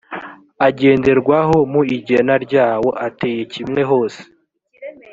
agenderwaho mu igena ryawo ateye kimwe hose